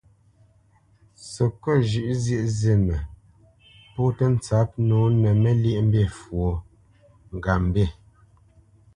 Səkôt zhʉ̌ʼ zyēʼ zînə, pɔ̌ tə́ ntsǎp nǒ nə Məlyéʼmbî fwo ŋgapmbî.